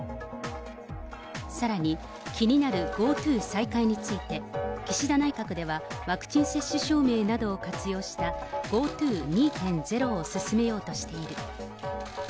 さらに、気になるＧｏＴｏ再開について、岸田内閣では、ワクチン接種証明などを活用したＧｏＴｏ２．０を進めようとしている。